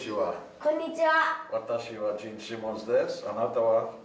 こんにちは。